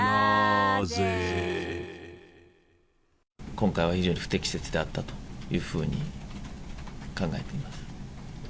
今回は非常に不適切であったというふうに考えています。